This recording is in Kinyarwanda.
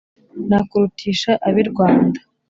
Nakurutisha ab’ i rwanda